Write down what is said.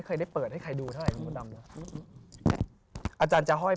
พระพุทธพิบูรณ์ท่านาภิรม